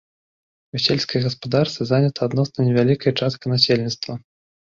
У сельскай гаспадарцы занята адносна невялікая частка насельніцтва.